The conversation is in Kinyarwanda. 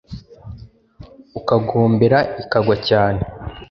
ukagombera ikagwa cyane